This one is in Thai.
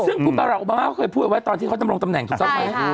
ซึ่งบาลาโอบามาเคยพูดไว้ตอนที่เขาจำลงตำแหน่งที่สมัย